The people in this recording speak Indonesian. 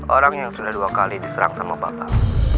orang yang sudah dua kali diserang sama bapak